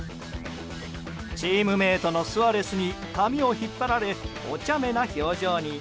チームメートのスアレスに髪を引っ張られおちゃめな表情に。